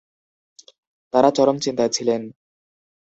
তারা চরম চিন্তায় ছিলেন।